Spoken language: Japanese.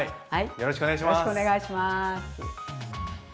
よろしくお願いします。